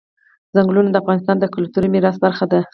ځنګلونه د افغانستان د کلتوري میراث برخه ده.